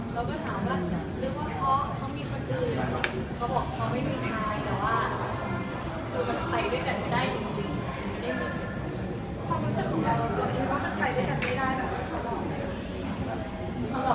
เราก็ถามว่าคือว่าเมื่อเขามีความจื่นเขาบอกเขาไม่ตายแต่ว่า